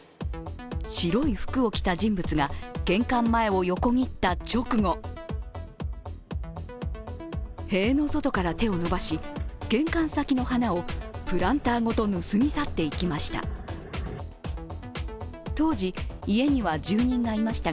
白い服を着た人物が玄関前を横切った直後、塀の外から手を伸ばし玄関先の花をプランターごと盗み去っていきました。